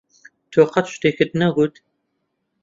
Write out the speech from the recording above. تۆ قەت شتێکت نەگوت.